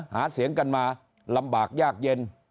หาเสียงกันมาลำบากยากเย็น